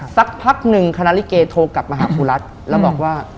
สักพักหนึ่งคณะลิเกโทรกลับมาหาครูรัฐแล้วบอกว่า